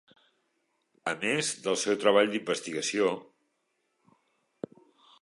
A més del seu treball d'investigació!